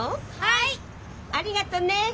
ありがとね。